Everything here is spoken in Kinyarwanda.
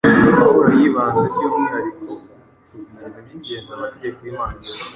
Pawulo yibanze by’umwihariko ku bintu by’ingenzi amategeko y’Imana asaba.